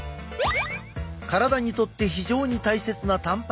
体にとって非常に大切なたんぱく質。